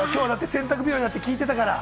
洗濯日和って聞いてたから。